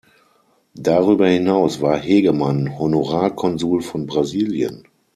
Darüber hinaus war Hegemann Honorarkonsul von Brasilien.